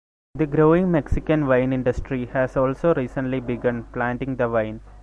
The growing Mexican wine industry has also recently begun planting the vine.